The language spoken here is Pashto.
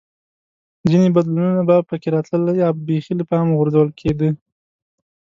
ځیني بدلونونه به په کې راتلل یا بېخي له پامه غورځول کېده